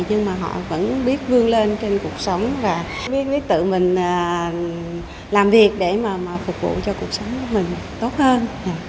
nhưng mà họ vẫn biết vương lên trên cuộc sống và mới biết tự mình làm việc để mà phục vụ cho cuộc sống của mình tốt hơn